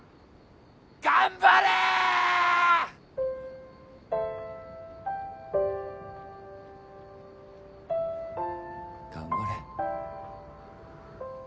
頑張れ‼頑張れ。